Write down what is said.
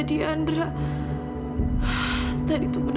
dan kau mau